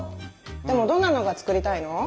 でもどんなのが作りたいの？